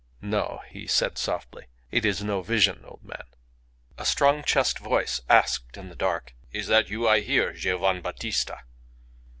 "No," he said, softly. "It is no vision, old man." A strong chest voice asked in the dark "Is that you I hear, Giovann' Battista?"